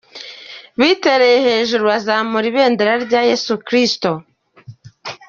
Bitereye hejuru bazamura ibendera rya Yesu Kristo.